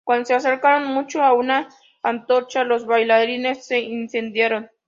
Cuando se acercaron mucho a una antorcha, los bailarines se incendiaron.